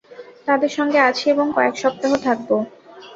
তাঁদের সঙ্গে আছি এবং কয়েক সপ্তাহ থাকব।